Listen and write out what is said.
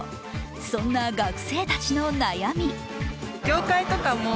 そんな学生たちの悩み。